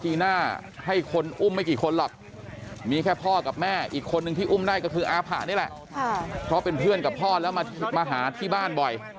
อีกคนหนึ่งที่อุ้มได้ก็คืออาผานี่แหละเพราะเป็นเพื่อนกับพ่อแล้วมาหาที่บ้านบ่อย